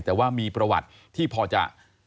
แต่ว่ามีประวัติที่พอจะ